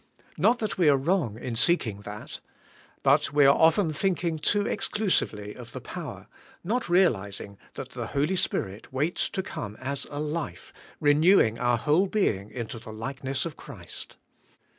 Not that we are wrong" in seeking that. But we are often thinking too exclusively of the power, and not realizing that the Holy Spirit waits to come as a life, renewing our whole being into the likeness of Christ.